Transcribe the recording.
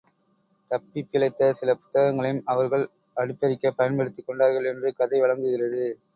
தப்பிப்பிழைத்த சில புத்தகங்களையும், அவர்கள் அடுப்பெறிக்கப் பயன்படுத்திக் கொண்டார்கள் என்று கதை வழங்குகிறது.